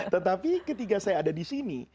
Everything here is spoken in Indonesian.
tetapi ketika saya ada disini